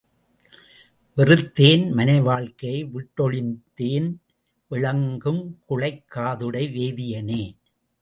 வெறுத்தேன், மனை வாழ்க்கையை விட்டொழிந்தேன், விளங்கும் குழைக் காதுடை வேதியனே!